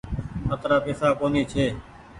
اترآ پئيسا ڪونيٚ ڇي۔